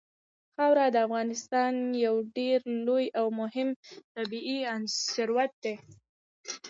خاوره د افغانستان یو ډېر لوی او مهم طبعي ثروت دی.